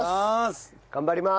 頑張ります。